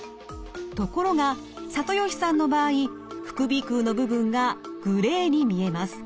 ところが里吉さんの場合副鼻腔の部分がグレーに見えます。